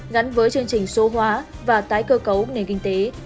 gắn với chương trình số hóa và tái cơ cấu nền kinh tế